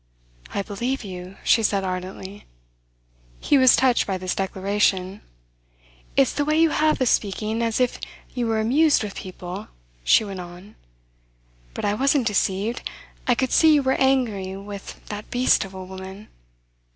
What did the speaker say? "I believe you," she said ardently. He was touched by this declaration. "It's the way you have of speaking as if you were amused with people," she went on. "But I wasn't deceived. I could see you were angry with that beast of a woman.